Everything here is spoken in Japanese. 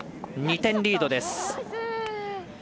２点リードです。